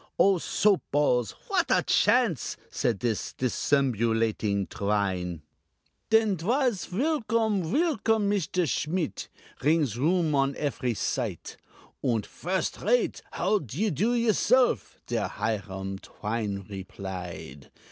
Oh, Soap balls! what a chance!" said dis Dissembulatin Twine. Den 'twas "Willkomm! willkomm, Mishder Schmit!" Ringsroom on efery site; Und "First rate! How dy do yourself?" Der Hiram Twine replied.